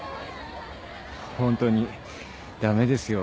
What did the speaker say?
ホントに駄目ですよ俺なんて。